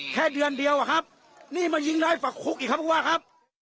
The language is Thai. แค่เดือนเดียวอะครับนี่มายิงร้อยฝักคุกอีกครับผู้ว่าครับ